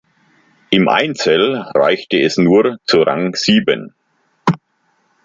Im Einzel reichte es nur zu Rang sieben.